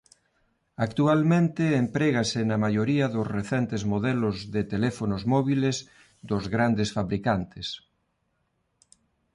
Actualmente emprégase na maioría dos recentes modelos de teléfonos móbiles dos grandes fabricantes.